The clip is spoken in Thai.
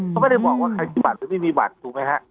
เขาไม่ได้บอกว่าใครมีบัตรหรือไม่มีบัตรถูกไหมฮะ